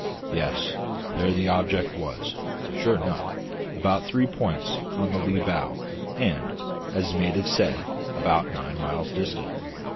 Yes; there the object was, sure enough, about three points on the lee bow, and, as the mate had said, about nine miles distant.